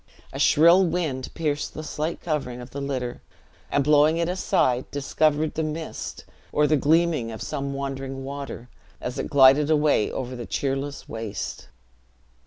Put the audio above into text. A shrill wind pierced the slight covering of the litter, and blowing it aside, discovered the mist; or the gleaming of some wandering water, as it glided away over the cheerless waste.